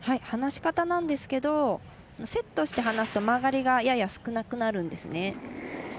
放し方なんですけどセットして放すと曲がりがやや少なくなるんですね。